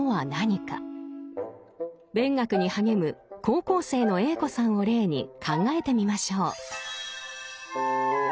勉学に励む高校生のＡ子さんを例に考えてみましょう。